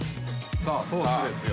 ・さあソースですよ・